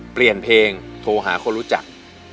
เปลี่ยนเพลงโทรหาคนรู้จัก